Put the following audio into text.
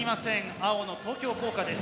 青の東京工科です。